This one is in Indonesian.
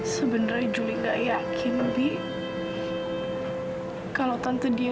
sampai jumpa di video selanjutnya